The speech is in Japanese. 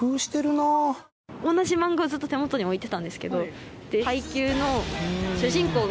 同じ漫画をずっと手元に置いてたんですけど。